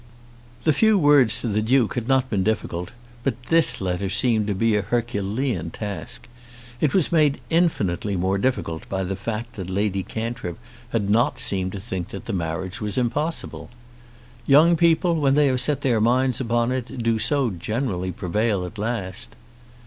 The few words to the Duke had not been difficult, but this letter seemed to be an Herculean task. It was made infinitely more difficult by the fact that Lady Cantrip had not seemed to think that this marriage was impossible. "Young people when they have set their minds upon it do so generally prevail at last!"